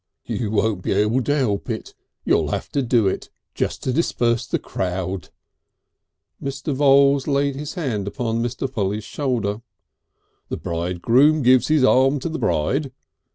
"You won't be able to help it. You'll have to do it just to disperse the crowd." Mr. Voules laid his hand on Mr. Polly's shoulder. "The bridegroom gives his arm to the bride.